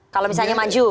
kalau misalnya maju